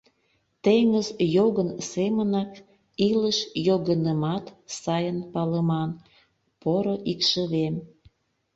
Теҥыз йогын семынак илыш йогынымат сайын палыман, поро икшывем.